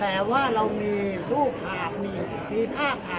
อันนี้คือ๑จานที่คุณคุณค่อยอยู่ด้านข้างข้างนั้น